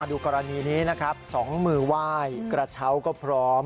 ดูกรณีนี้นะครับสองมือไหว้กระเช้าก็พร้อม